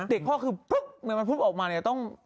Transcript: เด็กพ่อคือปุ๊บมันพุบออกมาต้อง